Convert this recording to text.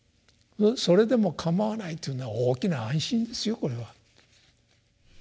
それでもかまわないというのが大きな安心ですよこれは。